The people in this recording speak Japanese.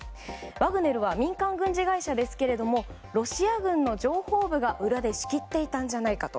ワグネルは民間軍事会社ですがロシア軍の情報部が裏で仕切っていたんじゃないかと。